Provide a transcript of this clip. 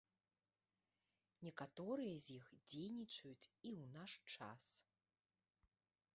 Некаторыя з іх дзейнічаюць і ў наш час.